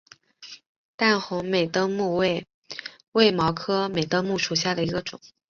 淡红美登木为卫矛科美登木属下的一个种。